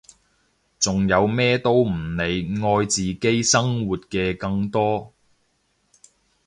仲有咩都唔理愛自己生活嘅更多！